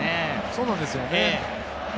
そうなんですよね。